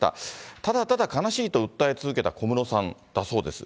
ただただ悲しいと訴え続けた小室さんだそうです。